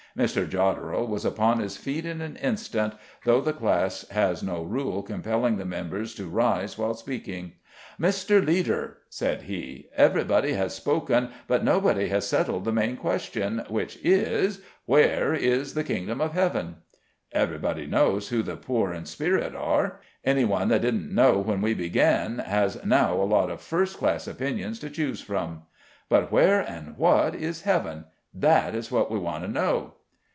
Mr. Jodderel was upon his feet in an instant, though the class has no rule compelling the members to rise while speaking. "Mr. Leader," said he, "everybody has spoken, but nobody has settled the main question, which is, where is the 'kingdom of heaven'? Everybody knows who the poor in spirit are; any one that didn't know when we began has now a lot of first class opinions to choose from. But where and what is heaven that is what we want to know."